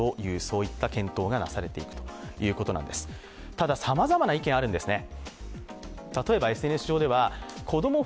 ただ、さまざまな意見があるんですね。